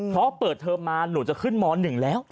เพราะเปิดเทอมมาหนูจะขึ้นม๑แล้ว